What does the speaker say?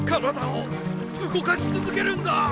体を動かし続けるんだ！